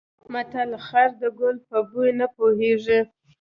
متل: خر د ګل په بوی نه پوهېږي.